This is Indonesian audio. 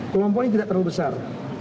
kelompok ini tidak terlalu besar